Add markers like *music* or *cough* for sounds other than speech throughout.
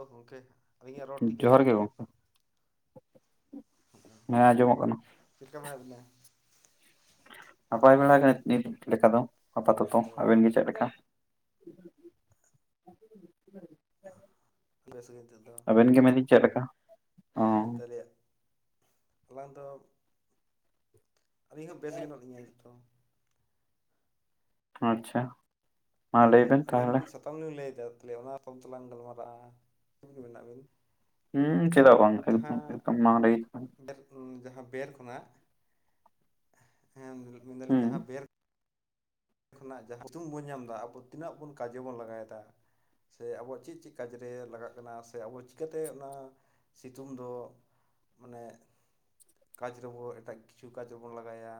ᱚ ᱜᱚᱢᱠᱮ ᱟᱹᱞᱤᱧᱟᱸᱜ ᱨᱚᱲ ᱴᱷᱤᱠ ᱜᱮ ᱡᱚᱦᱟᱨ ᱟᱹᱡᱚᱢᱚᱜ ᱠᱟᱱᱟ? ᱜᱚᱝᱠᱮ ᱦᱮᱸ ᱡᱚᱦᱟᱨ ᱜᱮ ᱟᱸᱡᱚᱢᱚᱜ ᱠᱟᱱᱟ ᱪᱮᱜᱠᱟ ᱢᱮᱱᱟᱜ ᱵᱤᱱᱟ? ᱱᱟᱯᱟᱭ ᱵᱟᱲᱟ ᱜᱮ ᱱᱤᱛ ᱞᱮᱠᱟ ᱫᱚ, ᱟᱯᱟᱛᱚᱛᱚ ᱱᱤᱛᱚᱜ ᱟᱵᱮᱱ ᱜᱤ ᱪᱮᱫ ᱞᱮᱠᱟ? ᱵᱮᱥ ᱜᱮ *inaudible* ᱟᱵᱮᱱ ᱜᱮ ᱢᱮᱱᱫᱟᱹᱧ ᱪᱮᱜ ᱞᱮᱠᱟ? ᱚ ᱛᱟᱦᱚᱞᱮ ᱟᱞᱟᱝ ᱫᱚ ᱟᱹᱞᱤᱧ ᱦᱚᱸ ᱵᱮᱥ ᱜᱮ ᱦᱮᱱᱚᱜ ᱞᱤᱧᱟᱸ ᱱᱤᱛᱚᱝ ᱟᱪᱪᱷᱟ ᱢᱟ ᱞᱟᱹᱭ ᱵᱮᱱ ᱛᱟᱦᱚᱞᱮ᱾ ᱛᱚᱝ ᱜᱮᱢ ᱞᱟᱹᱭᱫᱟ ᱛᱟᱦᱞᱮ ᱚᱱᱟ ᱛᱚᱝ ᱛᱮᱞᱟᱝ ᱜᱟᱞᱢᱟᱨᱟᱜᱼᱟ *unintelligible* ᱢᱮᱱᱟᱜ ᱵᱤᱱ ᱦᱩᱸ ᱪᱮᱫᱟᱜ ᱵᱟᱝ *unintelligible* ᱚᱸ ᱡᱟᱦᱟᱸ ᱵᱮᱨ ᱠᱷᱚᱱᱟᱜ ᱦᱮᱸ ᱢᱮᱱᱫᱟᱞᱤᱧ ᱦᱩᱸ ᱡᱟᱦᱟᱸ ᱵᱮᱨ ᱠᱷᱚᱱᱟᱜ ᱡᱟᱦᱟᱸ *unintelligible* ᱵᱚᱱ ᱧᱟᱢ ᱫᱟ ᱟᱵᱚ ᱛᱤᱱᱟᱹᱜ ᱵᱚᱱ ᱠᱟᱡᱮ ᱵᱚᱱ ᱞᱟᱜᱟᱭᱮᱫᱟ᱾ ᱥᱮ ᱟᱵᱚᱣᱟᱜ ᱪᱮᱜ ᱪᱮᱜ ᱠᱟᱡᱨᱮ ᱞᱟᱜᱟᱜ ᱠᱟᱱᱟ ᱥᱮ ᱟᱵᱩ ᱪᱤᱠᱟᱹᱛᱮ ᱚᱱᱟ ᱥᱤᱛᱩᱝ ᱫᱚ ᱢᱟᱱᱮ ᱠᱟᱡᱽ ᱨᱮᱵᱚ ᱮᱴᱟᱜ ᱠᱤᱪᱷᱩ ᱠᱟᱡᱽ ᱨᱮᱵᱚᱱ ᱞᱟᱜᱟᱭᱟ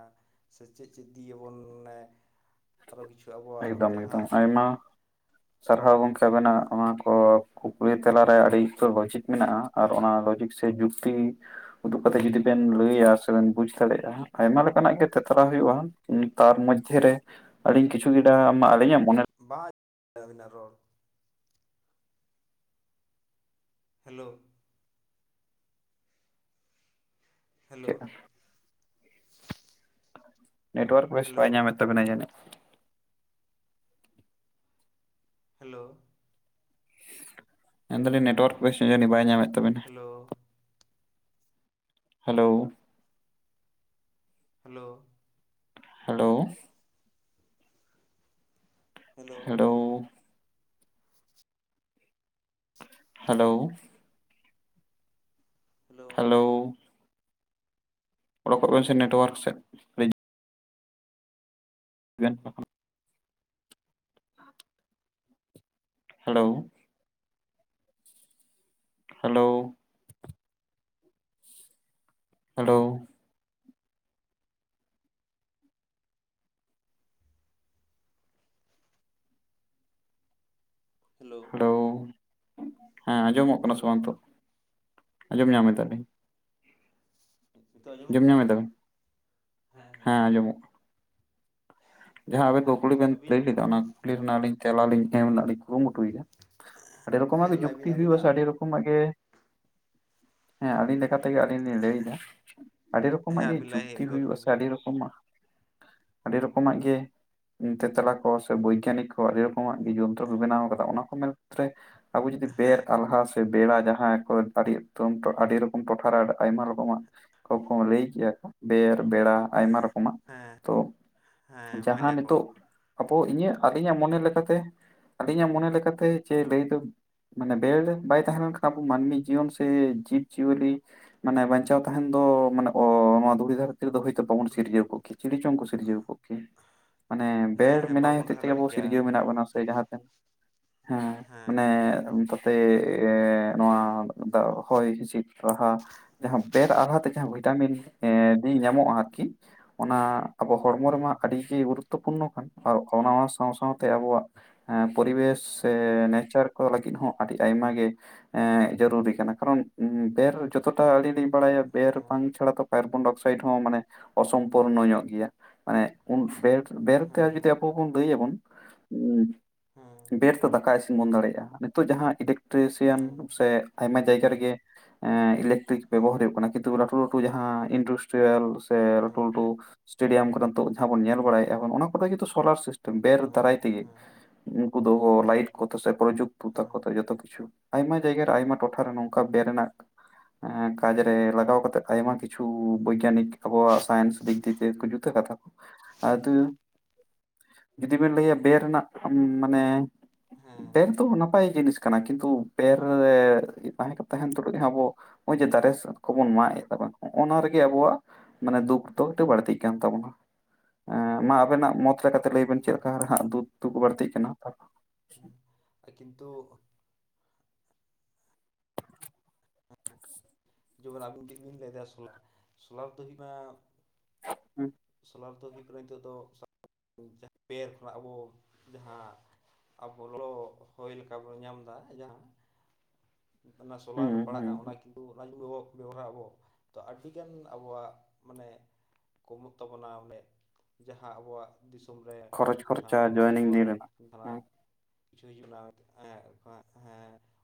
ᱥᱮ ᱪᱮᱜ ᱪᱮᱜ ᱫᱤᱭᱮ ᱵᱚᱱ ᱱᱮ ᱟᱨᱚ ᱠᱤᱪᱷᱩ ᱟᱵᱚᱣᱟᱜ ᱮᱠᱫᱚᱢ ᱮᱠᱫᱚᱢ ᱡᱟᱦᱟᱸ ᱟᱭᱢᱟ ᱥᱟᱨᱦᱟᱣ ᱜᱚᱝᱠᱮ ᱵᱮᱱᱟᱜ ᱚᱱᱟ ᱠᱚ ᱠᱩᱠᱞᱤᱛᱮᱞᱟ ᱨᱮ ᱟᱹᱰᱤ ᱩᱛᱟᱹᱨ ᱵᱟᱹᱪᱤᱛ ᱢᱮᱱᱟᱜ-ᱟ᱾ ᱟᱨ ᱚᱱᱟ ᱞᱚᱡᱤᱠ ᱥᱮ ᱡᱩᱠᱛᱤ ᱩᱫᱩᱜ ᱠᱟᱛᱮ ᱡᱩᱫᱤ ᱵᱮᱱ ᱞᱟᱹᱭᱟ ᱥᱮᱵᱮᱱ ᱵᱩᱡ ᱫᱟᱲᱮᱜᱼᱟ ᱟᱭᱢᱟ ᱞᱮᱠᱟᱱᱟᱜ ᱜᱮ ᱛᱮᱛᱞᱟᱣ ᱦᱩᱭᱩᱜᱼᱟ ᱛᱟᱨ ᱢᱚᱫᱷᱮᱨᱮ ᱟᱹᱰᱤ ᱠᱤᱪᱷᱩ *unintelligible* ᱢᱟ ᱟᱞᱤᱧᱟᱜ ᱢᱚᱱᱮ ᱵᱟᱪ ᱟᱵᱤᱱᱟᱜ ᱨᱚᱲ ᱦᱮᱞᱳ ᱦᱮᱞᱳ ᱱᱮᱴᱣᱟᱨᱠ ᱵᱮᱥ ᱦᱮᱞᱳ ᱵᱟᱭ ᱧᱟᱢᱮᱫ ᱛᱟᱵᱮᱱᱟ ᱡᱟᱹᱱᱤᱡ᱾ ᱦᱮᱞᱳ ᱢᱮᱱ ᱫᱟᱞᱤᱧ ᱱᱮᱴᱣᱟᱨ ᱠᱚ ᱵᱮᱥ ᱡᱟᱱᱤ ᱵᱟᱭ ᱧᱟᱢᱮᱫ ᱛᱟᱵᱮᱱᱟ᱾ Hello hello hello hello hello ᱦᱮᱲᱳ *inaudible* hello hello ᱚᱰᱚᱠᱚᱜ ᱵᱤᱱ ᱥᱮ ᱱᱮᱴᱣᱟᱨᱠ ᱥᱮᱫ *inaudible* ᱜ *inaudible* ᱦᱮᱞᱳ ᱦᱮᱞᱳ ᱦᱮᱞᱳ ᱦᱮᱞᱳ ᱦᱮᱸ ᱟᱸᱡᱚᱢᱚᱜ ᱠᱟᱱᱟ ᱥᱮ ᱦᱮᱞᱳ ᱵᱟᱝ ᱱᱤᱛᱚᱜ ᱟᱸᱡᱚᱢ ᱧᱟᱢᱮᱫᱟᱞᱤᱧ ᱱᱤᱛᱚᱜ ᱟᱸᱡᱚᱢᱚᱜ ᱟᱸᱡᱚᱢ ᱠᱟᱱᱟ ᱧᱟᱢ ᱮᱫᱟᱵᱤᱱ ᱦᱮᱸ ᱦᱮᱸ ᱟᱸᱡᱚᱢᱚᱜ ᱠᱟᱱᱟ᱾ ᱡᱟᱦᱟᱸ ᱟᱵᱤᱱ ᱠᱩᱠᱞᱤ ᱦᱮᱸ ᱵᱤᱱ ᱟᱹᱵᱤᱱ ᱞᱟᱹᱭ ᱞᱮᱫᱟ ᱚᱱᱟ ᱠᱩᱠᱞᱤ ᱨᱮᱱᱟᱜ ᱞᱤᱧ ᱛᱮᱞᱟᱞᱤᱧ ᱮᱢ ᱞᱤᱧ ᱠᱩᱨᱩᱢᱩᱴᱩᱭᱟ ᱟᱹᱰᱤ ᱨᱚᱠᱚᱢᱟᱜ ᱦᱮᱸ ᱜᱮ ᱞᱟᱹᱭ ᱵᱤᱱ ᱡᱩᱠᱛᱤ ᱦᱩᱭᱩᱜ-ᱟ ᱥᱮ ᱟᱹᱵᱤᱱᱟᱜ ᱟᱹᱰᱤ ᱨᱚᱠᱚᱢ ᱚᱱᱟ ᱜᱮ ᱦᱮᱸ ᱟᱹᱞᱤᱧ ᱞᱮᱠᱟᱛᱮ ᱟᱹᱞᱤᱧ ᱞᱤᱧ ᱞᱟᱹᱭ ᱮᱫᱟ ᱟᱹᱰᱤ ᱦᱮᱸ ᱨᱚᱠᱚᱢᱟᱜ ᱜᱮ ᱟᱹᱵᱤᱱ ᱞᱟᱹᱭ ᱡᱩᱠᱛᱤ ᱜᱚᱫ ᱦᱩᱭᱩᱜᱼᱟ ᱾ ᱵᱤᱱ ᱥᱮ ᱟᱹᱰᱤ ᱨᱚᱠᱚᱢᱟᱜ ᱟᱹᱰᱤ *unintelligible* ᱨᱚᱠᱚᱢᱟᱜ ᱜᱮ ᱛᱮᱞᱟ ᱠᱚ ᱥᱮ ᱵᱳᱭᱜᱟᱱᱤᱠ ᱠᱚ ᱟᱹᱰᱤ ᱨᱚᱠᱚᱢᱟᱜ ᱜᱮ ᱡᱚᱱᱛᱨᱚ ᱠᱚ ᱵᱮᱱᱟᱣ ᱟᱠᱟᱫᱟ ᱾ ᱚᱱᱟ ᱠᱚ ᱢᱮᱱ *inaudible* ᱟᱵᱚ ᱡᱩᱫᱤ ᱵᱮᱨ ᱦᱮᱸ ᱟᱞᱦᱟᱥ ᱵᱮᱲᱟ ᱡᱟᱦᱟᱸ ᱠᱚ ᱟᱹᱰᱤ ᱟᱹᱰᱤ ᱨᱚᱠᱚᱢ ᱴᱚᱴᱷᱟᱨᱮ ᱟᱭᱢᱟ ᱨᱚᱠᱚᱢᱟᱜ ᱠᱚᱠᱚ ᱞᱟᱹᱭ ᱠᱮᱜᱼᱟ ᱠᱚ ᱵᱮᱨ ᱵᱮᱲᱟ ᱟᱭᱢᱟ ᱨᱚᱠᱚᱢᱟᱜ ᱦᱮᱸ ᱛᱚ ᱦᱮᱸ ᱢᱮᱱ ᱡᱟᱦᱟᱸ ᱜᱮᱭᱟ ᱠᱚ ᱱᱤᱛᱚᱜ ᱟᱵᱚ ᱤᱧᱟᱹᱜ ᱟᱹᱞᱤᱧᱟᱜ ᱢᱚᱱᱮ ᱞᱮᱠᱟᱛᱮ ᱟᱹᱞᱤᱧᱟᱜ ᱢᱚᱱᱮ ᱞᱮᱠᱟᱛᱮ ᱪᱮ ᱞᱟᱹᱭ ᱫᱚ ᱢᱟᱱᱮ ᱵᱮᱨ ᱵᱟᱭ ᱛᱟᱦᱮᱸ ᱞᱮᱱᱠᱷᱟᱱ ᱟᱵᱚ ᱢᱟᱹᱱᱢᱤ ᱡᱤᱭᱚᱱ ᱥᱮ ᱡᱤᱵᱽᱡᱤᱭᱟᱹᱞᱤ ᱢᱟᱱᱮ ᱵᱟᱧᱪᱟᱣ ᱛᱟᱸᱦᱮᱱ ᱫᱚ ᱢᱟᱱᱮ ᱱᱚᱣᱟ ᱫᱷᱩᱲᱤ ᱫᱷᱟᱨ *unintelligible* ᱫᱚ ᱦᱳᱭ ᱛᱟᱵᱚᱱ ᱥᱤᱨᱡᱟᱹᱣᱟᱮ ᱪᱲᱤ ᱪᱚᱝ ᱠᱚ ᱥᱤᱨᱡᱟᱹᱣ ᱠᱚᱜ᱾ ᱠᱮᱭᱟ ᱢᱟᱱᱮ ᱦᱮᱸ ᱵᱮᱲ ᱦᱮᱸ ᱢᱮᱱᱟᱭ ᱵᱟᱵᱚᱱ ᱦᱚᱛᱮ ᱛᱟᱦᱮᱸ ᱛᱮᱜᱮ ᱟᱵᱚ ᱫᱟᱲᱮᱜ ᱠᱮᱭᱟ ᱥᱤᱨᱡᱟᱹᱣ ᱢᱮᱱᱟᱜ ᱥᱮ ᱡᱟᱦᱟᱸ ᱱᱟ ᱦᱮᱸ ᱢᱟᱱᱮ ᱛᱟᱛᱮ ᱮᱻ ᱱᱚᱣᱟ ᱫᱚ ᱦᱚᱭ ᱦᱤᱸᱥᱤᱫ ᱨᱟᱦᱟ ᱡᱟᱦᱟᱸ ᱵᱮᱨ ᱟᱞᱦᱟᱛᱮ ᱡᱟᱦᱟᱸ ᱵᱷᱤᱴᱟᱢᱤᱱ ᱫ ᱧᱟᱢᱚᱜᱼᱟ ᱟᱨᱠᱤ᱾ ᱚᱱᱟ ᱟᱵᱚ ᱦᱚᱲᱢᱚ ᱦᱮᱸ ᱨᱮᱢᱟ ᱟᱹᱰᱤᱜᱮ ᱜᱩᱨᱩᱛᱚᱯᱩᱨᱱᱚ ᱠᱟᱱᱟ ᱾ ᱟᱨ ᱚᱱᱟ ᱥᱟᱶ ᱥᱟᱶᱛᱮ ᱟᱵᱚᱣᱟᱜ ᱦᱮᱸ ᱯᱚᱨᱵᱮᱥ ᱥᱮ ᱮᱸ ᱱᱮᱪᱟᱨ ᱠᱚ ᱞᱟᱹᱜᱤᱫ ᱦᱚᱸ ᱟᱹᱰᱤ ᱟᱭᱢᱟ ᱜᱮ ᱡᱟᱹᱨᱩᱨᱤ ᱠᱟᱱᱟ ᱾ ᱠᱟᱨᱚᱱ ᱵᱮᱨ ᱡᱚᱛᱚ ᱛᱟ ᱟᱞᱤ ᱞᱤᱧ ᱵᱟᱲᱟᱭᱟ ᱯᱮ ᱨᱚᱠᱚᱢ ᱪᱷᱟᱲᱟ ᱛᱚ ᱠᱟᱨᱵᱚᱱ ᱰᱚᱠᱥ ᱥᱟᱭᱤᱰ ᱦᱚᱸ ᱢᱟᱱᱮ ᱚᱥᱚᱢᱯᱩᱨᱱᱚ ᱧᱚᱜ ᱜᱮᱭᱟ ᱾ ᱩᱱ ᱥᱮ ᱵᱮᱨ ᱛᱮ ᱦᱮᱸ ᱦᱮᱸ ᱡᱫᱤ ᱮᱯᱯᱚᱱ ᱞᱟᱹᱭ ᱟᱵᱚᱱ, ᱦᱮᱸ ᱵᱮᱨ ᱛᱮ ᱫᱟᱠᱟ ᱵᱚᱱ ᱫᱟᱲᱮᱭᱟᱜᱼᱟ ᱾ ᱱᱤᱛᱚᱜ ᱡᱟᱦᱟᱸ ᱤᱞᱮᱠᱴᱨᱤᱥᱤᱭᱟᱱ ᱦᱮᱸ ᱥᱮ ᱟᱭᱢᱟ ᱡᱟᱭᱜᱟ ᱨᱮᱜᱮ ᱤᱞᱮᱠᱴ ᱵᱮᱵᱚᱦᱟᱨ ᱦᱩᱭᱩᱜ ᱠᱟᱱᱟ ᱾ ᱠᱤᱱ ᱞᱟᱹᱴᱩ ᱞᱟᱹᱴᱩ ᱡᱟᱦᱟᱸ ᱤᱱᱰᱩᱥᱴᱨᱤᱭᱟᱞ ᱥᱮ ᱞᱟᱹᱴᱩ ᱞᱟᱹᱴᱩ ᱥᱴᱮᱰᱤᱭᱟᱢ ᱠᱚᱨᱮ ᱱᱤᱛᱳᱜ ᱡᱟᱦᱟᱸ ᱵᱚᱱ ᱧᱮᱞ ᱵᱟᱲᱟᱭ ᱵᱚᱱ ᱚᱱᱟ ᱠᱚᱫᱚ ᱡ ᱠᱤᱱᱛᱩ ᱥᱳᱞᱟᱨ ᱥᱤᱥ ᱵᱮᱨ ᱫᱟᱨᱟᱭ ᱛᱮᱜᱤ ᱩᱱᱠᱩ ᱫᱚ ᱞᱟᱭᱤᱴ ᱠᱚᱛᱮ ᱥᱮ ᱯᱨᱚᱡᱩᱠᱛᱚ ᱛᱟᱠᱚᱛᱮ ᱡᱚᱛᱚ ᱠᱤᱪᱷᱩ ᱟᱭᱢᱟ ᱡᱟᱭᱜᱟ ᱨᱮ ᱟᱭᱢᱟ ᱴᱚᱴᱷᱟᱨᱮ ᱱᱚᱝᱠᱟ ᱵᱮ ᱨᱮᱱᱟᱜ ᱮᱸ ᱠᱟᱡ ᱨᱮ ᱞᱟᱜᱟᱣ ᱠᱟᱛᱮ, ᱟᱭᱢᱟ ᱠᱤᱪᱷᱩ ᱵᱳᱭᱜᱟᱱᱤᱠ ᱟᱵᱚᱣᱟᱜ ᱥᱟᱭᱤᱱᱥ ᱫᱤᱠ ᱛᱤᱭᱮ ᱡᱩ ᱠᱟᱛᱷᱟ ᱠᱩ ᱟᱫᱚ ᱡᱩᱫᱤ ᱵᱤᱱ ᱞᱟᱹᱭᱟ ᱵᱮ ᱨᱮᱱᱟᱜ ᱢᱟᱱᱮ ᱯᱮᱱ ᱛᱚ ᱱᱟᱯᱟᱭ ᱡᱤᱱᱤᱥ᱾ ᱠᱟᱱᱟ, ᱠᱤᱱᱛᱩ ᱵᱮᱨ ᱨᱮ ᱛᱟᱦᱮᱸ ᱛᱟᱦᱮᱱ ᱛᱩᱞᱩᱡ ᱟᱵᱚ ᱱᱚᱜᱼᱚᱭ ᱡᱮ ᱫᱟᱨᱮ ᱠᱚᱵᱚᱱ ᱢᱟᱜ ᱮᱜ ᱫᱚ ᱵᱚᱱ, ᱱᱚᱜᱼᱱᱚᱣᱟ ᱨᱮᱜᱮ ᱟᱵᱚᱣᱟᱜ ᱢᱟᱱᱮ ᱫᱩᱠ ᱫᱚ ᱵᱟᱹᱲᱛᱤ ᱠᱟᱱ ᱛᱟᱵᱚᱱᱟ ᱾ ᱢᱟ ᱟᱵᱤᱱᱟᱜ ᱢᱚᱛ ᱞᱮᱠᱟᱛᱮ ᱞᱟᱹᱭ ᱵᱤᱱ ᱪᱮᱫ ᱞᱮᱠᱟ ᱦᱟᱸ ᱫᱩᱜ ᱫᱩᱠᱷ ᱵᱟᱹᱲᱛᱤᱜ ᱠᱟᱱᱟ ᱾ ᱩᱸ ᱠᱤᱱᱛᱩ ᱡᱮᱢᱚᱱ ᱟᱵᱤᱱ ᱴᱷᱮᱱ ᱵᱤᱱ ᱞᱟᱹᱭᱫᱟ ᱥᱳᱞᱟᱨ ᱥᱳᱞᱟᱨ ᱫᱚ ᱦᱩᱭ ᱱᱟᱜ *inaudible* ᱥᱳᱞᱟᱨ ᱫᱚ ᱦᱩᱭᱩᱜ ᱠᱟᱱᱟ, ᱱᱤᱛᱚᱜ ᱫᱚ *inaudible* ᱵᱮᱨ ᱠᱷᱚᱱᱟᱜ ᱡᱟᱦᱟᱸ ᱟᱵᱚ ᱞᱚ ᱦᱚᱭ ᱞᱮᱠᱟ ᱵᱚᱱ ᱧᱟᱢᱫᱟ ᱡᱟᱦᱟᱸ ᱚᱱᱟ ᱦᱩᱸ ᱥᱳᱞᱟᱨ ᱨᱮ ᱦᱩᱸ ᱯᱟᱲᱟᱜᱼᱟ ᱚᱱᱟ ᱦᱩᱸ ᱠᱤ? ᱛᱩ *unintelligible* ᱵᱮᱣᱨᱟ ᱟᱵᱚ ᱛᱚ ᱟᱹᱰᱤᱜᱟᱱ ᱟᱵᱚᱣᱟᱜ ᱢᱟᱱᱮ ᱠᱚᱢᱚᱜ ᱛᱟᱵᱚᱱᱟ ᱚᱱᱮ ᱡᱟᱦᱟᱸ ᱟᱵᱚᱣᱟᱜ ᱫᱤᱥᱚᱢ ᱨᱮ ᱠᱷᱚᱨᱚᱪ ᱜᱷᱟ ᱠᱷᱚᱨᱪᱟ ᱞᱚᱞᱚ ᱡᱚᱭᱮᱱᱤᱝ ᱦᱚᱭ ᱫᱤᱱ ᱨᱮᱱᱟᱜ ᱦᱮᱸ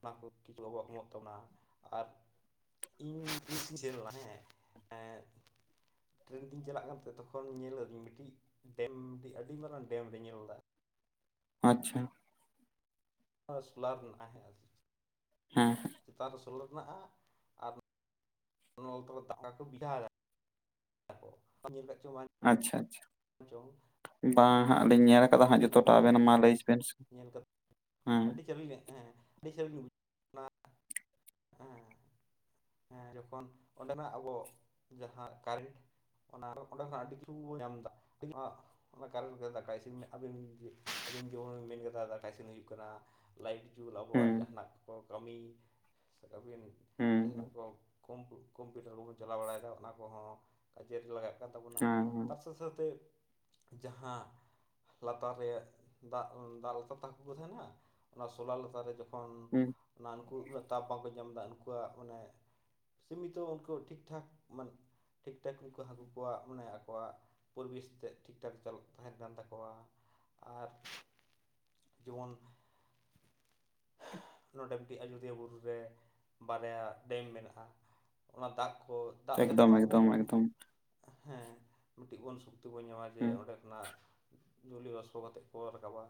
ᱵᱟᱸ *unintelligible* ᱤᱧ ᱪᱷᱤᱨᱚᱜᱼᱟ ᱦᱮᱸ ᱴᱨᱮᱱ ᱛᱤᱧ ᱪᱟᱞᱟᱜ ᱠᱟᱱ ᱛᱟᱦᱮᱸ ᱛᱚᱠᱷᱚᱱ ᱧᱮᱞ ᱞᱮᱫᱤᱧ ᱢᱤᱴᱤᱡ ᱰᱮᱢ ᱢᱤᱴᱤᱡ ᱟᱹᱰᱤ ᱢᱟᱨᱟᱝ ᱰᱮᱢ ᱨᱮᱧ ᱧᱮᱞ ᱫᱟ ᱟᱪᱪᱷᱟ᱾ ᱚ ᱥᱳᱞᱟᱨ ᱦᱮᱱᱟᱼᱟ ᱦᱮᱸ᱾ ᱦᱮᱸ᱾ ᱪᱮᱛᱟᱱ ᱨᱮ ᱥᱳᱞᱟᱨ ᱦᱮᱱᱟᱜ-ᱟ᱾ *unintelligible* ᱧᱮᱞ ᱠᱟᱜ ᱪᱚ ᱵᱟ ᱟᱪᱪᱷᱟ ᱟᱪᱪᱷᱟ᱾ ᱦᱮᱸ ᱪᱚᱝ ᱵᱟᱝ ᱦᱟᱸᱜ ᱞᱤᱧ ᱧᱮᱞ ᱠᱟᱫᱟ, ᱟᱹᱞᱤᱧ ᱦᱟᱸᱜ ᱡᱚᱠᱷᱚᱱ ᱞᱤᱧ ᱡᱚᱛᱚᱴᱟ ᱧᱮᱞ ᱟᱵᱮᱱ ᱢᱟ ᱞᱟᱹᱭ ᱵᱮᱱ ᱥᱮ ᱧᱮᱞ ᱠᱟᱛᱮ ᱦᱮᱸ ᱟᱹᱰᱤ ᱪᱟᱞᱩᱭ ᱦᱮᱸ, ᱟᱹᱰᱤ ᱪᱟᱞᱤᱧ ᱵᱩᱡ ᱦᱮᱸ ᱦᱮᱸ ᱡᱚᱠᱷᱚᱱ ᱚᱸᱰᱮᱱᱟᱜ ᱟᱵᱚ ᱡᱟᱦᱟᱸ ᱠᱟᱨᱮᱱᱴ ᱚᱱᱟ ᱚᱸᱰᱮ ᱫᱚ ᱦᱟᱸᱜ ᱟᱹᱰᱤ *unintelligible* ᱧᱟᱢ ᱫᱟ᱾ ᱚᱱᱟ ᱠᱟᱨᱚᱱ ᱜᱮ ᱫᱟᱠᱟ ᱤᱥᱤᱱ ᱟᱹᱵᱤᱱ *inaudible* ᱡᱮᱢᱚᱱ ᱢᱮᱱ ᱠᱮᱫᱟ ᱫᱟᱠᱟ ᱤᱥᱤᱱ ᱦᱩᱭᱩᱜ ᱠᱟᱱᱟ ᱞᱟᱭᱤᱴ ᱡᱩᱞ ᱟᱵᱚᱣᱟᱜ ᱦᱩᱸ ᱡᱟᱦᱟᱱᱟᱜ ᱠᱚ ᱠᱟᱹᱢᱤ ᱟᱹᱵᱤᱱ ᱦᱩᱸ ᱡᱟᱦᱟᱱᱟᱜ ᱦᱩᱸ ᱠᱚ ᱠᱚᱢ ᱠᱚᱢᱯᱤᱭᱩᱴᱟᱨ ᱠᱚᱵᱚᱱ ᱪᱟᱞᱟᱣ ᱵᱟᱲᱟᱭᱮᱫᱟ ᱚᱱᱟ ᱠᱚᱦᱚᱸ ᱠᱟᱡᱮ ᱨᱮᱜᱮ ᱞᱟᱜᱟᱜ ᱠᱟᱱ ᱛᱟᱵᱚᱱᱟ᱾ ᱦᱮᱸ ᱦᱮᱸ ᱥᱟᱶᱛᱮ ᱡᱟᱦᱟᱸ ᱞᱟᱛᱟᱨ ᱨᱮᱜ ᱫᱟᱜ ᱩᱸ ᱫᱟᱜ ᱞᱟᱛᱟᱨ ᱛᱮ ᱦᱟᱠᱩ ᱠᱩ ᱛᱟᱦᱮᱱᱟ ᱚᱱᱟ ᱥᱳᱞᱟᱨ ᱞᱟᱛᱟᱨ ᱨᱮ ᱡᱚ ᱠᱷᱚᱱ ᱦᱩᱸ ᱚᱱᱟ ᱩᱱᱠᱩ ᱩᱱᱟᱹᱜ ᱛᱟᱯ ᱵᱟᱠᱩ ᱧᱟᱢ ᱫᱟ ᱩᱱᱠᱩᱣᱟᱜ ᱢᱟᱱᱮ ᱥᱤᱢᱤᱛᱚ ᱩᱱᱠᱩ ᱴᱷᱤᱠ ᱴᱷᱟᱠ ᱴᱷᱤᱠ ᱴᱷᱟᱠ ᱩᱱᱠᱩ ᱦᱟᱹᱠᱩ ᱠᱚᱣᱟᱜ ᱢᱟᱱᱮ ᱟᱠᱚᱣᱟᱜ ᱯᱚᱨᱤᱵᱮᱥ ᱛᱮᱫ ᱴᱷᱤᱠ ᱴᱷᱟᱠ ᱪᱟᱞᱟᱜ ᱛᱟᱦᱮᱱ ᱠᱟᱱ ᱛᱟᱠᱚᱣᱟ ᱟᱨ ᱡᱮᱢᱚᱱ ᱱᱚᱰᱮ ᱢᱤᱫᱴᱤᱡ ᱟᱡᱚᱫᱤᱭᱟᱹ ᱵᱩᱨᱩ ᱨᱮ ᱵᱟᱨᱭᱟ ᱰᱮᱢ ᱢᱮᱱᱟᱜᱼᱟ᱾ᱚᱱᱟ ᱫᱟᱜ ᱠᱚ ᱫᱟᱜ ᱮᱠᱫᱚᱢ ᱛᱮᱦᱚᱸ ᱟᱵᱚ ᱮᱠᱫᱚᱢ ᱮᱠᱫᱚᱢ ᱦᱮᱸ ᱢᱤᱫᱴᱤᱡ ᱵᱚᱱ ᱥᱩᱠᱛᱮ ᱵᱚᱱ ᱧᱟᱢᱟᱡᱮ ᱦᱩᱸ ᱚᱸᱰᱮ *unintelligible* ᱡᱩᱞᱤᱭᱚ ᱵᱟᱥᱯᱚ ᱠᱟᱛᱮᱫ ᱠᱚ ᱨᱟᱠᱟᱵᱟ᱾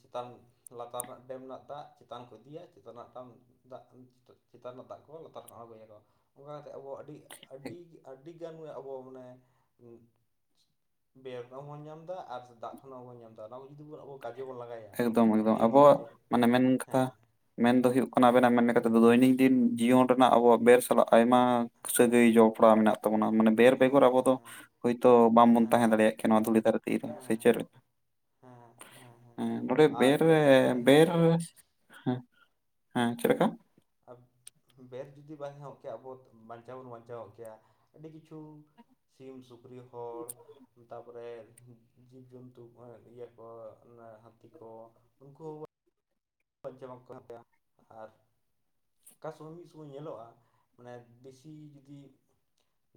ᱪᱮᱛᱟᱱ ᱞᱟᱛᱟᱨ ᱨᱮᱱᱟᱜ ᱰᱮᱢ ᱨᱮᱱᱟᱜ ᱫᱟᱜ ᱪᱮᱛᱟᱱ ᱠᱚ ᱤᱫᱤᱭᱟ ᱪᱮᱛᱟᱱ ᱨᱮᱱᱟᱜ ᱫᱟᱜ ᱫᱟᱜ ᱪᱮᱛᱟᱱ ᱨᱮᱱᱟᱜ ᱫᱟᱜ ᱠᱚ ᱞᱟᱛᱟᱨ ᱨᱮᱠᱚ ᱟᱲᱜᱩᱭᱟᱠᱚ ᱚᱱᱠᱟ ᱠᱟᱛᱮᱫ ᱟᱵᱚ ᱟᱹᱰᱤ ᱟᱹᱰᱤ ᱟᱹᱰᱤ ᱟᱹᱰᱤᱜᱟᱱ ᱜᱮ ᱟᱵᱚ ᱢᱟᱱᱮ ᱵᱮᱨ ᱵᱟᱵᱚᱱ ᱧᱟᱢ ᱫᱟ ᱟᱨ ᱫᱟᱜ ᱠᱷᱚᱱ ᱦᱚᱸ ᱵᱟᱵᱚᱱ ᱧᱟᱢ ᱫᱟ᱾ᱱᱚᱣᱟ ᱠᱚ ᱡᱩᱫᱤ ᱟᱵᱚ ᱠᱟᱡᱮ ᱵᱚᱱ ᱞᱟᱜᱟᱭᱟ᱾ ᱮᱠᱫᱚᱢ ᱮᱠᱫᱚᱢ ᱫᱤᱱ ᱫᱤᱱ ᱟᱵᱚᱜ ᱛᱮ ᱢᱟᱱᱮ ᱢᱮᱱ ᱠᱟᱛᱷᱟ᱾ ᱦᱮᱸ ᱢᱮᱱ ᱫᱚ ᱦᱳᱭᱜ ᱠᱟᱱᱟ ᱟᱵᱮᱱᱟᱜ ᱢᱮᱱ ᱠᱟᱛᱮᱫ ᱫᱚ ᱫᱳᱭᱱᱤᱝ ᱫᱤᱱ ᱡᱤᱭᱚᱱ ᱴᱚᱱᱟᱜ ᱟᱵᱚ ᱵᱮᱨ ᱥᱟᱞᱟᱜ ᱟᱭᱢᱟ ᱥᱟᱹᱜᱟᱹᱭ ᱡᱚᱯᱲᱟᱣ ᱢᱮᱱᱟᱜ ᱛᱟᱵᱚᱱᱟ᱾ ᱢᱟᱱᱮ ᱵᱮᱨ ᱵᱮᱜᱚᱨ ᱦᱮᱸ ᱟᱵᱚ ᱫᱚ ᱦᱮᱸ ᱦᱳᱭᱛᱳ ᱵᱟᱝᱵᱚᱱ ᱦᱮᱸ ᱛᱟᱦᱮᱸ ᱫᱟᱲᱮᱭᱟᱜ ᱠᱮ ᱱᱚᱣᱟ ᱫᱷᱩᱲᱤ ᱫᱷᱟᱨᱛᱤ ᱨᱮ ᱥᱮ ᱦᱮᱸ ᱪᱮᱞ ᱦᱮᱸ ᱦᱮᱸ ᱱᱚᱰᱮ ᱟᱨ ᱵᱮᱨ ᱵᱮᱨᱮ ᱡᱩᱫᱤ ᱵᱟᱭ ᱛᱟᱦᱮᱸ ᱠᱚᱜ ᱵᱮᱨ ᱠᱮᱭᱟ ᱦᱮᱸ ᱦᱮᱸ ᱪᱮᱫ ᱞᱮᱠᱟ ᱵᱮᱫ ᱡᱩᱫᱤ ᱵᱟᱭ *unintelligible* ᱵᱟᱧᱪᱟᱣ ᱵᱚᱱ ᱵᱟᱧᱪᱟᱣᱜ ᱠᱮᱭᱟ ᱟᱹᱰᱤ ᱠᱤᱪᱷᱩ ᱥᱤᱢ ᱥᱩᱠᱨᱤ ᱦᱚᱲ ᱠᱚᱨᱮᱫ ᱡᱤᱵᱽ ᱡᱚᱱᱛᱩ ᱤᱭᱟᱹ ᱠᱚ ᱦᱟᱹᱛᱤ ᱠᱚ ᱩᱱᱠᱩ *unintelligible* ᱦᱟᱛᱟᱭᱟ ᱟᱨ ᱠᱟ ᱥᱚᱢᱚ ᱢᱤ ᱥᱚᱢᱚᱭ ᱧᱮᱞᱚᱜᱼᱟ ᱢᱟᱱᱮ ᱵᱮᱥᱤ ᱡᱩᱫᱤ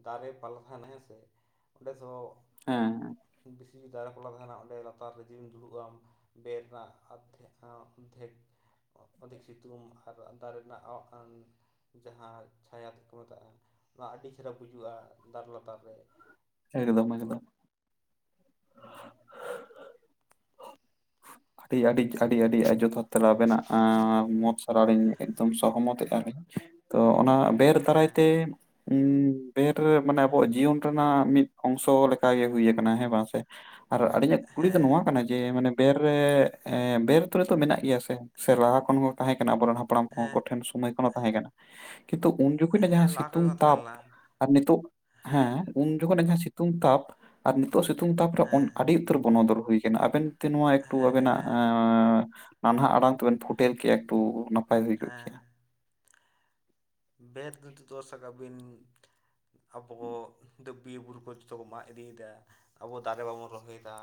ᱫᱟᱨᱮ ᱯᱟᱞᱦᱟᱱ ᱦᱮᱸ ᱥᱮ ᱚᱸᱰᱮ ᱥᱚ ᱦᱮᱸ ᱵᱮᱥᱤ ᱫᱟᱨᱮ ᱯᱟᱞᱦᱟ ᱛᱟᱦᱮᱱᱟ ᱚᱰᱮᱸ ᱞᱟᱛᱟᱨ ᱨᱮ ᱡᱩᱤᱢ ᱫᱩᱲᱩᱵᱼᱟᱢ ᱵᱮᱨ ᱨᱮᱱᱟᱜ ᱟᱫᱷᱮᱠ ᱚᱫᱷᱮᱠ ᱥᱤᱛᱩᱢ ᱟᱨ ᱫᱟᱨᱮ *unintelligible* ᱠᱟᱱ ᱡᱟᱦᱟᱸ ᱪᱷᱟᱭᱟ ᱛᱚᱠᱚ ᱢᱮᱛᱟᱜᱼᱟ ᱚᱱᱟ ᱟᱹᱰᱤ ᱪᱮᱦᱨᱟ ᱵᱩᱡᱩᱜᱼᱟ ᱫᱟᱨᱮ ᱞᱟᱛᱟᱨ ᱨᱮ ᱮᱠᱫᱚᱢ ᱮᱠᱫᱚᱢ ᱦᱩᱸ ᱟᱹᱰᱤ ᱟᱹᱰᱤ ᱟᱹᱰᱤ ᱟᱹᱰᱤ ᱡᱚᱛᱷᱟᱛ ᱛᱮᱞᱟ ᱟᱵᱮᱱᱟᱜ ᱢᱚᱸᱡᱽ ᱛᱟᱨᱤᱧ ᱮᱠᱫᱚᱢ ᱥᱚᱦᱚᱢᱚᱛᱜᱼᱟᱧ ᱛᱚ ᱚᱱᱟ ᱵᱮᱨ ᱫᱟᱨᱟᱭ ᱦᱮᱸ ᱛᱮ ᱩ ᱵᱮᱨ ᱨᱮ ᱢᱟᱱᱮ ᱟᱵᱚᱣᱟᱜ ᱡᱤᱭᱚᱱ ᱨᱮᱱᱟᱜ ᱢᱤᱫ ᱚᱝᱥᱚ ᱞᱮᱠᱟ ᱜᱮ ᱦᱩᱭ ᱟᱠᱟᱱᱟᱟᱱᱟ ᱦᱮᱸ ᱵᱟᱝ ᱥᱮ ᱟᱨ ᱟᱹᱞᱤᱧᱟᱜ ᱠᱩᱠᱞᱤ ᱫᱚ ᱦᱮᱸ ᱱᱚᱣᱟ ᱠᱟᱱᱟ ᱡᱮ ᱢᱟᱱᱮ ᱵᱮ ᱨᱮ ᱵᱮᱨᱛ ᱨᱮ ᱫᱚ ᱢᱮᱱᱟᱜ ᱜᱮᱭᱟ ᱥᱮ ᱥᱮ ᱞᱟᱦᱟ ᱠᱷᱚᱱ ᱛᱟᱦᱮᱸ ᱠᱟᱱᱟ ᱟᱵᱚᱨᱮᱱ ᱦᱟᱯ ᱦᱟᱯᱲᱟᱢ ᱠᱚ ᱦᱮᱸ ᱠᱚᱴᱷᱮᱱ ᱥᱚᱢᱚᱭ ᱛᱟᱦᱮᱸ ᱠᱟᱱᱟ᱾ ᱠᱤᱱᱛᱩ ᱩᱱ ᱡᱚᱠᱷᱚᱱᱟᱜ ᱡᱟᱦᱟᱸ ᱦᱮᱸ ᱞᱟᱦᱟ ᱠᱷᱚᱡ ᱥᱤᱛᱩᱝ ᱦᱚᱸ ᱛᱟᱦᱮᱸ ᱛᱟᱯ ᱞᱮᱱᱟ ᱟᱨ ᱱᱤᱛᱚᱜ ᱦᱮᱸ ᱩᱱ ᱡᱚᱠᱷᱚᱱ ᱡᱟᱦᱟᱸ ᱥᱤᱛᱩᱝ ᱛᱟᱯ ᱟᱨ ᱱᱤᱛᱚᱜ ᱥᱤᱛᱩᱝ ᱛᱟᱯ ᱨᱮ ᱦᱮᱸ ᱟᱹᱰᱤ ᱩᱛᱟᱹᱨ ᱵᱚᱱᱚᱫᱚᱞ ᱦᱩᱭ ᱟᱠᱟᱱᱟ, ᱟᱵᱮᱱ ᱱᱚᱣᱟ ᱮᱠᱴᱩ ᱦᱮᱸ ᱟᱵᱮᱱᱟᱜ ᱦᱮᱸ ᱱᱟᱱᱦᱟᱜ ᱟᱲᱟᱝ ᱛᱮᱵᱮᱱ ᱯᱷᱳᱴᱮᱹᱞ ᱠᱮᱭᱟ ᱮᱠᱴᱩ ᱯᱟᱭ ᱦᱩᱭ ᱠᱚᱜ ᱦᱮᱸ ᱠᱮᱭᱟ ᱵᱮᱫ ᱨᱮᱫᱚ ᱥᱟᱠᱟᱟᱜ ᱵᱤᱱ ᱟᱵᱚ ᱫᱚ ᱵᱤᱨᱵᱩᱨᱩ ᱠᱚ ᱢᱟᱜ ᱤᱫᱤᱭᱮᱫᱟ, ᱟᱵᱚ ᱫᱟᱨᱮ ᱵᱟᱵᱚᱱ ᱨᱚᱦᱚᱭᱮᱫᱟ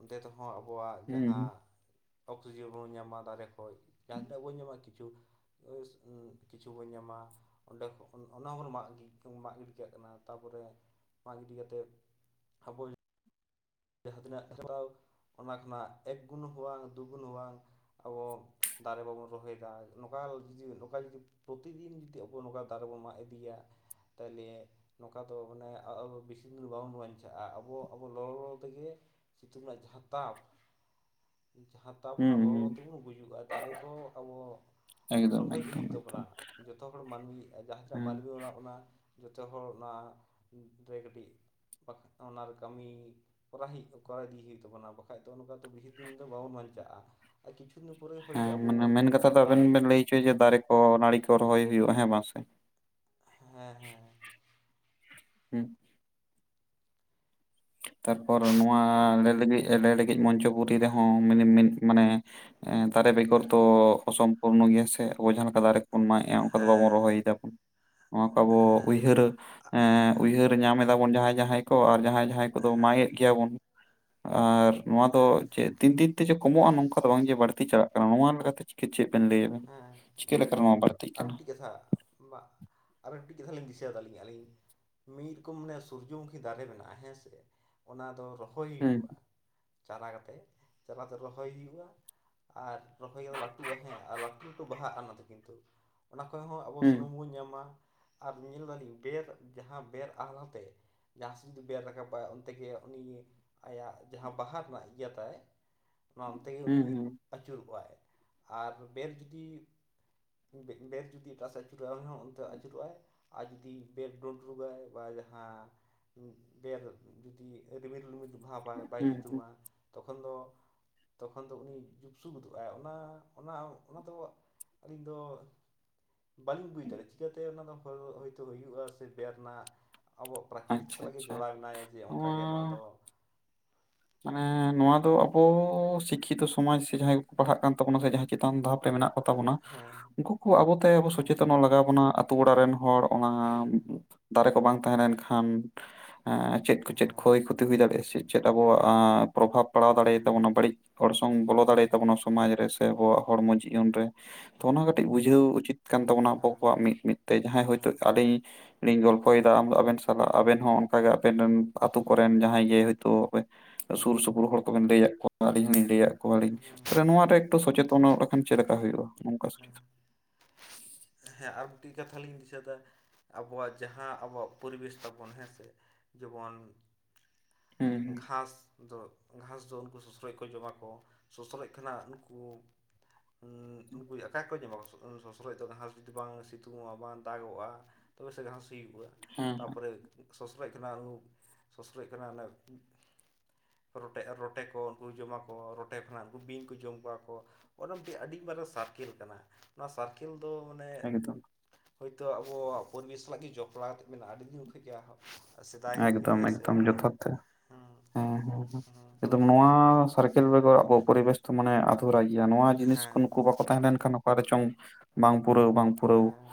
ᱚᱱᱛᱮ ᱫᱚ ᱾ ᱦᱚᱸ ᱟᱵᱚᱣᱟᱜ ᱦᱩᱸ ᱡᱟᱦᱟᱸ ᱾ ᱚᱠᱥᱤᱡᱮᱱ ᱵᱚᱱ ᱧᱟᱢᱟ ᱫᱟᱨᱮ ᱠᱷᱚᱱ ᱦᱚᱭ ᱡᱟᱦᱟᱛᱤᱱᱟᱜ ᱵᱚᱱ ᱧᱟᱢᱟ, ᱠᱤᱪᱷᱩ *unintelligible* ᱠᱤᱪᱷᱩ ᱵᱚᱱ ᱧᱟᱢᱟ ᱚᱸᱰᱮ ᱚᱱᱟ ᱦᱚᱸᱵᱚᱱ ᱢᱟᱜ ᱜᱤᱰᱤ ᱠᱟᱜ ᱠᱟᱱᱟ ᱾ ᱛᱟᱨ ᱯᱚᱨᱮ ᱢᱟᱜ ᱜᱤᱰᱤ ᱠᱟᱛᱮ, ᱟᱵᱚ ᱡᱟᱦᱟᱸ ᱛᱤᱱᱟᱹᱜ ᱦᱟᱛᱟᱣ ᱚᱱᱟ ᱠᱷᱚᱱᱟᱜ ᱮᱠ ᱜᱩᱱ ᱦᱚᱸᱵᱟᱝ ᱫᱩ ᱜᱩᱱᱟᱹ ᱦᱚᱵᱟᱝ ᱟᱵᱚ ᱫᱟᱨᱮ ᱵᱟᱵᱚᱱ ᱨᱚᱦᱚᱭᱮᱫᱟ ᱱᱚᱝᱠᱟ ᱡᱩᱫᱤ, ᱱᱚᱝᱠᱟ ᱡᱩᱫᱤ, ᱯᱨᱚᱛᱤᱫᱤᱱ ᱡᱩᱫᱤ ᱟᱵᱚ ᱱᱚᱝᱠᱟ ᱫᱟᱨᱮ ᱵᱚᱱ ᱢᱟᱜ ᱤᱫᱤᱭᱟ ᱾ ᱛᱟᱦᱚᱞᱮ ᱱᱚᱝᱠᱟ ᱫᱚ ᱦᱩᱸᱱᱟᱝ ᱵᱮᱥᱤ ᱫᱤᱱ ᱵᱟᱵᱚᱱ ᱵᱟᱧᱪᱟᱜᱼᱟ ᱟᱵᱚ ᱟᱵᱚ ᱞᱚ ᱞᱚ ᱛᱮᱜᱮ ᱥᱤᱛᱩᱝ ᱨᱮᱱᱟᱜ ᱡᱟᱦᱟᱸ ᱛᱟᱯ ᱡᱟᱦᱟᱸ ᱛᱟᱯ ᱦᱩᱸ ᱚᱱᱟ ᱞᱚᱞᱚ ᱦᱩᱸ ᱛᱮᱵᱚᱱ ᱜᱩᱡᱩᱜᱼᱟ ᱫᱟᱨᱮ ᱠᱚᱸ ᱟᱵᱚ ᱮᱠᱫᱚᱢ ᱨᱚᱦᱚᱭ ᱜᱮ ᱮᱠᱫᱚᱢ ᱦᱩᱭᱩᱜ ᱛᱟᱵᱚᱱᱟ ᱮᱠᱫᱚᱢ ᱡᱚᱛᱚ ᱦᱚᱲ ᱢᱟᱹᱱᱢᱤᱭ ᱡᱟᱦᱟᱸᱴᱟᱜ ᱦᱮᱸ ᱢᱟᱹᱱᱢᱤ ᱢᱮᱱᱟᱜ ᱵᱚᱱᱟ ᱡᱚᱛᱚ ᱦᱚᱲ ᱚᱱᱟ ᱨᱮ ᱠᱟᱹᱴᱤᱡ ᱵᱟ ᱚᱱᱟᱨᱮ ᱠᱟᱹᱢᱤ ᱠᱚᱨᱟ ᱦᱩᱭᱩᱜ ᱠᱚᱨᱟ ᱤᱫᱤ ᱦᱩᱭᱩᱜ ᱛᱟᱵᱚᱱᱟ ᱵᱟᱠᱷᱟᱡ ᱫᱚ ᱱᱚᱱᱠᱟ ᱫᱚ ᱵᱤᱥᱤ ᱫᱤᱱ ᱫᱚ ᱵᱟᱵᱚᱱ ᱵᱟᱧᱪᱟᱜᱼᱟ᱾ ᱟᱨ ᱠᱤᱪᱷᱩ ᱫᱤᱱ ᱯᱚᱨᱮ ᱦᱚᱭᱛᱳ ᱦᱮᱸ ᱟᱵᱚ ᱢᱟᱱᱮ ᱵᱚᱱ ᱢᱮᱱ ᱠᱟᱛᱷᱟ ᱫᱚ ᱟᱵᱮᱱ ᱟᱨ ᱵᱮᱱ ᱞᱟᱹᱭ ᱡᱮ ᱫᱟᱨᱮ ᱠᱚ ᱱᱟᱲᱤ ᱠᱚ ᱨᱚᱦᱚᱭ ᱦᱩᱭᱩᱜᱼᱟ᱾ ᱦᱮᱸ ᱵᱟᱝᱥᱮ? ᱦᱮᱸ ᱦᱮᱸ ᱦᱮᱸ ᱛᱟᱨᱯᱚᱨ ᱱᱚᱣᱟ ᱞᱟᱹᱭ ᱞᱟᱹᱜᱤᱫ ᱮᱞᱮ ᱞᱟᱹᱜᱤᱫ ᱢᱚᱧᱪᱚᱯᱩᱨᱤ ᱨᱮᱦᱚᱸ ᱢᱤᱱᱼᱮ ᱢᱮᱱ ᱢᱟᱱᱮ ᱫᱟᱨᱮ ᱵᱮᱜᱚᱨ ᱫᱚ ᱚᱥᱚᱢ ᱯᱩᱨᱱᱚ ᱜᱮ ᱥᱮ ᱟᱵᱚ ᱡᱟᱦᱟᱸ ᱞᱮᱠᱟ ᱫᱟᱨᱮ ᱮᱸ ᱵᱚᱱ ᱢᱟᱸᱜ ᱮᱜᱼᱟ ᱚᱱᱠᱟ ᱫᱚ ᱵᱟᱵᱚᱱ ᱦᱮᱸ ᱨᱚᱦᱚᱭ ᱫᱟᱵᱚᱱ ᱱᱚᱣᱟ ᱠᱚ ᱟᱵᱚ ᱦᱮᱸ ᱩᱭᱦᱟᱹᱨ ᱮᱸ ᱩᱭᱦᱟᱹᱨ ᱧᱟᱢ ᱮᱫᱟ ᱵᱚᱱ ᱡᱟᱦᱟᱸᱭ ᱡᱟᱦᱟᱸᱭ ᱠᱚ ᱟᱨ ᱡᱟᱦᱟᱸᱭ ᱡᱟᱦᱟᱸᱭ ᱠᱚᱫᱚ ᱦᱮᱸ ᱢᱟᱸᱜᱼᱮᱫ ᱜᱮᱭᱟᱵᱚᱱ᱾ ᱟᱨ ᱱᱚᱣᱟ ᱫᱚ ᱦᱮᱸ ᱪᱮᱫ? ᱛᱤᱱ ᱫᱤᱱ ᱛᱮ ᱡᱮ ᱠᱚᱢᱚᱜᱼᱟ ᱱᱚᱝᱠᱟ ᱫᱚ ᱵᱟᱝ ᱡᱮ ᱵᱟᱹᱲᱛᱤ ᱪᱟᱞᱟᱜ ᱠᱟᱱᱟ ᱱᱚᱣᱟ ᱞᱮᱠᱟᱛᱮ ᱪᱮᱫ ᱵᱮᱱ ᱞᱟᱹᱭ ᱫᱟ? ᱦᱮᱸ ᱪᱤᱠ ᱞᱮᱠᱟ *inaudible* ᱟᱨ ᱢᱤᱫᱴᱤᱡ ᱠᱟᱛᱷᱟ ᱵᱟ ᱟᱨ ᱢᱤᱫᱴᱤᱡ ᱠᱟᱛᱷᱟ ᱞᱤᱧ ᱫᱤᱥᱟᱹᱫᱟᱞᱤᱧ ᱟᱹᱞᱤᱧ ᱢᱤᱫ ᱨᱚᱠᱚᱢ ᱢᱟᱱᱮ ᱥᱩᱨᱡᱚᱢᱩᱠᱷᱤ ᱫᱟᱨᱮ ᱢᱮᱱᱟᱜᱼᱟ ᱦᱮᱸ ᱥᱮ ᱚᱱᱟ ᱫᱚ ᱨᱚᱦᱚᱭ ᱦᱩᱸ ᱦᱩᱭᱩᱜᱼᱟ᱾ ᱪᱟᱨᱟ ᱠᱟᱛᱮ ᱪᱟᱨᱟ ᱫᱚ ᱨᱚᱦᱚᱭ ᱦᱩᱭᱩᱜᱼᱟ ᱟᱨ ᱨᱚᱦᱚᱭ ᱠᱟᱛᱮ ᱞᱟᱹᱴᱩᱜᱼᱟ ᱦᱮᱸ ᱟᱨ ᱞᱟᱹᱴᱩ ᱞᱟᱹᱴᱩ ᱵᱟᱦᱟᱜᱼᱟ ᱚᱱᱟ ᱫᱚ ᱠᱤᱱᱛᱩ ᱚᱱᱟ ᱠᱷᱚᱱ ᱦᱚᱸ ᱟᱵᱚ ᱥᱩᱱᱩᱢ ᱦᱩᱸ, ᱵᱚᱱ ᱧᱟᱢᱟ ᱟᱨ ᱧᱮᱞ ᱫᱟᱞᱤᱧ ᱵᱮᱨ ᱡᱟᱦᱟᱸ ᱵᱮᱨ ᱟᱦᱟᱞᱟᱛᱮ ᱡᱟᱦᱟᱸ ᱥᱮᱫ ᱡᱩᱫᱤ ᱵᱮᱨ ᱨᱟᱠᱟᱵᱟᱭ ᱚᱱᱛᱮᱜ ᱜᱮ ᱩᱱᱤ ᱜᱮ ᱟᱭᱟᱜ ᱡᱟᱦᱟᱸ ᱵᱟᱦᱟ ᱨᱮᱱᱟᱜ ᱤᱭᱟᱹ ᱛᱟᱭ ᱚᱱᱟ ᱚᱱᱛᱮ ᱜᱮ ᱦᱩᱸ, ᱩᱱᱤ ᱦᱩᱸ, ᱟᱹᱪᱩᱨ ᱠᱚᱜᱼᱟᱭ ᱟᱨ ᱵᱮᱨ ᱡᱩᱫᱤ ᱵᱮᱨ ᱡᱩᱫᱤ ᱮᱴᱟᱜ ᱥᱮᱫ ᱟᱹᱪᱩᱨᱚᱜᱼᱟᱭ ᱩᱱᱤᱦᱚᱸ ᱚᱱᱛᱮ ᱟᱹᱪᱩᱨᱚᱜᱼᱟᱭ᱾ ᱟᱨ ᱡᱩᱫᱤ ᱵᱮᱰ *inaudible* ᱵᱟ ᱡᱟᱦᱟᱸ ᱵᱮᱨ ᱡᱩᱫᱤ *inaudible* ᱵᱷᱟᱵᱟᱭ ᱵᱟᱭ ᱦᱩᱸ, ᱦᱩᱸ, ᱥᱤᱛᱩᱝᱼᱟ ᱛᱚᱠᱷᱚᱱ ᱫᱚ ᱛᱚᱠᱷᱚᱱ ᱫᱚ ᱩᱱᱤ ᱡᱩᱯᱥᱩ ᱜᱚᱫᱚᱜᱼᱟᱭ ᱚᱱᱟ ᱚᱱᱟ ᱚᱱᱟ ᱫᱚ ᱟᱹᱞᱤᱧ ᱫᱚ ᱵᱟᱹᱞᱤᱧ ᱵᱩᱡᱽ ᱫᱟᱲᱮᱭᱟᱜᱼᱟ ᱪᱤᱠᱟᱹᱛᱮ ᱚᱱᱟᱫᱚ ᱦᱚᱭᱛᱳ ᱦᱩᱭᱩᱜᱼᱟ ᱥᱮ ᱵᱮᱫ ᱨᱮᱱᱟᱜ ᱟᱵᱚ ᱯᱨᱟᱠᱨᱤᱛᱤᱠ ᱟᱪᱪᱷᱟ ᱥᱟᱞᱟᱜ ᱜᱮ ᱟᱪᱪᱷᱟ ᱡᱚᱲᱟᱣᱱᱟᱭ ᱡᱮ ᱚᱱᱠᱟᱜᱮ ᱱᱚᱣᱟ ᱫᱚ ᱢᱟᱱᱮ ᱱᱚᱣᱟ ᱫᱚ ᱟᱵᱚ ᱥᱤᱠᱠᱷᱤᱛᱚ ᱥᱚᱢᱟᱡᱽ ᱥᱮ ᱡᱟᱦᱟᱸᱭ ᱠᱚᱠᱚ ᱯᱟᱲᱦᱟᱜ ᱠᱟᱱ ᱛᱟᱵᱚᱱᱟ ᱥᱮ ᱡᱟᱦᱟᱸᱭ ᱪᱮᱛᱟᱱ ᱫᱷᱟᱯ ᱨᱮ ᱢᱮᱱᱟᱜ ᱠᱚ ᱛᱟᱵᱚᱱᱟ ᱦᱮᱸ *inaudible* ᱠᱚ ᱦᱮᱸ ᱥᱚᱪᱮᱛᱚᱱᱚ ᱞᱟᱜᱟᱣ ᱵᱚᱱᱟ ᱟᱛᱳ ᱚᱲᱟᱜ ᱨᱮᱱ ᱦᱚᱲ ᱚᱱᱟ ᱦᱮᱸ ᱫᱟᱨᱮ ᱠᱚ ᱵᱟᱝ ᱛᱟᱦᱮᱸ ᱞᱮᱱᱠᱷᱟᱱ ᱪᱮᱫ ᱠᱚ ᱪᱮᱫ ᱦᱮᱸ ᱠᱷᱚᱭ ᱠᱷᱚᱛᱤ ᱦᱩᱭ ᱫᱟᱲᱮᱭᱟᱜᱼᱟ ᱥᱮ ᱪᱮᱫ ᱟᱵᱚᱣᱟᱜ ᱯᱨᱚᱵᱷᱟᱵᱽ ᱯᱟᱲᱟᱣ ᱫᱟᱲᱮ ᱦᱮᱸ ᱟᱛᱟᱵᱚᱱᱟ ᱵᱟᱹᱲᱤᱡ ᱦᱚᱲ ᱥᱚᱝ ᱵᱚᱞᱚ ᱦᱮᱸ ᱫᱟᱲᱮᱭᱟᱛᱟᱵᱚᱱᱟ ᱚ ᱥᱚᱢᱟᱡᱽ ᱨᱮ ᱥᱮ ᱟᱵᱚᱣᱟᱜ ᱦᱚᱲᱢᱚ ᱡᱤᱭᱚᱱ ᱨᱮ ᱛᱚ ᱚᱱᱟ ᱦᱮᱸ ᱠᱟᱹᱴᱤᱡ ᱵᱩᱡᱷᱟᱹᱣ ᱩᱪᱤᱛ ᱠᱟᱱ ᱛᱟᱵᱚᱱᱟ ᱟᱵᱚ ᱠᱚᱣᱟᱜ ᱢᱤᱫ ᱢᱤᱫ ᱛᱮ ᱡᱟᱦᱟᱸᱭ ᱦᱮᱸ ᱦᱚᱭᱛᱚ *inaudible* ᱤᱧ ᱜᱚᱞᱯᱷᱚᱭᱮᱫᱟ ᱟᱢᱫᱚ ᱟᱵᱮᱱ ᱥᱟᱞᱟᱜ ᱟᱵᱮᱱ ᱦᱚᱸ ᱚᱱᱠᱟᱜᱮ ᱟᱵᱮᱱ ᱨᱮᱱ ᱟᱛᱳ ᱠᱚᱨᱮᱱ ᱡᱟᱦᱟᱸᱭ ᱜᱮ ᱦᱳᱭᱛᱳ ᱦᱮᱸ ᱥᱩᱨ ᱦᱮᱸ ᱥᱩᱯᱩᱨ ᱦᱚᱲ ᱠᱚᱵᱮᱱ ᱞᱟᱹᱭᱟᱫ ᱠᱚᱣᱟ ᱟᱹᱞᱤᱧ ᱦᱚᱞᱤᱧ ᱞᱟᱹᱭᱟᱫ ᱠᱚᱣᱟᱞᱤᱧ ᱦᱮᱸ ᱛᱟᱦᱚᱞᱮ ᱱᱚᱣᱟ ᱨᱮ ᱥᱚᱪᱮᱛᱚᱱᱚᱜ ᱞᱮᱠᱷᱟᱱ ᱪᱮᱫ ᱞᱮᱠᱟ ᱦᱩᱭᱩᱜᱼᱟ ᱱᱚᱝᱠᱟ ᱥᱚᱪᱮᱛᱚᱱ? ᱦᱮᱸ ᱦᱮᱸ ᱟᱨ ᱢᱤᱫᱴᱮᱱ ᱠᱟᱛᱷᱟ ᱞᱤᱧ ᱫᱤᱥᱟᱹ ᱮᱫᱟ ᱟᱵᱚᱣᱟᱜ ᱡᱟᱦᱟᱸ ᱟᱵᱚᱣᱟᱜ ᱯᱚᱨᱤᱵᱮᱥ ᱛᱟᱵᱚᱱ ᱦᱮᱸᱥᱮ ᱡᱮᱢᱚᱱ ᱦᱩᱸ ᱜᱷᱟᱸᱥ ᱫᱚ ᱜᱷᱟᱸᱥ ᱫᱚ ᱩᱱᱠᱩ ᱥᱚᱥᱲᱚᱡ ᱠᱚ ᱡᱚᱢᱟ ᱠᱚ ᱥᱚᱥᱲᱚᱡ ᱠᱷᱚᱱᱟᱜ ᱩᱱᱠᱩ ᱩᱱᱠᱩ *inaudible* ᱢᱟ ᱥᱚᱥᱞᱚᱡ ᱫᱚ ᱜᱷᱟᱥ ᱡᱩᱫᱤ ᱵᱟᱝ ᱥᱤᱛᱩᱝᱚᱜᱼᱟ ᱵᱟᱝ ᱫᱟᱜᱚᱜᱼᱟ ᱛᱚᱵᱮ ᱥᱮ ᱜᱷᱟᱸᱥ ᱦᱩᱭᱩᱜᱼᱟ ᱦᱩᱸ ᱛᱟᱨᱯᱚᱨᱮ ᱥᱚᱥᱨᱚᱡ ᱠᱷᱚᱱᱟ *inaudible* ᱥᱚᱥᱨᱚᱡ ᱠᱷᱚᱱᱟ ᱚᱱᱟ ᱨᱚᱴᱮ ᱨᱚᱴᱮ ᱠᱚ ᱩᱱᱠᱩ ᱡᱚᱢᱟ ᱠᱚ ᱨᱚᱴᱮ ᱠᱷᱚᱱᱟᱜ ᱩᱱᱠᱩ ᱵᱤᱧ ᱠᱚ ᱡᱚᱢ ᱠᱚᱣᱟ ᱠᱚ ᱚᱱᱟ ᱢᱤᱫᱴᱮᱱ ᱟᱹᱰᱤ ᱢᱟᱨᱟᱝ ᱥᱟᱨᱠᱮᱞ ᱠᱟᱱᱟ ᱚᱱᱟ ᱥᱟᱨᱠᱮᱞ ᱫᱚ ᱢᱟᱱᱮ ᱦᱮᱸ ᱮᱠᱫᱚᱢ ᱦᱳᱭᱛᱳ ᱟᱵᱚᱣᱟᱜ ᱯᱚᱨᱤᱵᱮᱥ ᱥᱟᱞᱟᱜ ᱜᱮ ᱡᱚᱯᱲᱟᱣ ᱢᱮᱱᱟᱜᱼᱟ ᱟᱹᱰᱤ ᱫᱤᱱ ᱠᱷᱚᱱ ᱜᱮ ᱥᱮᱫᱟᱭ ᱠᱷᱚᱱᱜᱮ ᱮᱠᱫᱚᱢ ᱦᱮᱸ ᱥᱮ ᱮᱠᱫᱚᱢ ᱡᱚᱛᱷᱟᱛ ᱛᱮ ᱦᱮᱸ ᱦᱮᱸ ᱱᱚᱣᱟ ᱥᱟᱨᱠᱮᱞ ᱵᱮᱜᱚᱨ ᱟᱵᱚ ᱯᱚᱨᱤᱵᱮᱥ ᱫᱚ ᱢᱟᱱᱮ ᱟᱫᱷᱩᱨᱟᱭ ᱜᱮᱭᱟ ᱱᱚᱣᱟ ᱡᱤᱱᱤᱥ ᱠᱚ ᱦᱮᱸ ᱱᱩᱠᱩ ᱵᱟᱠᱚ ᱛᱟᱦᱮᱸ ᱞᱮᱱ ᱠᱷᱟᱱ ᱚᱠᱟᱨ ᱪᱚᱝ ᱵᱟᱝ ᱯᱩᱨᱟᱹᱣ ᱵᱟᱝ ᱯᱩᱨᱟᱹᱣ ᱦᱮᱸ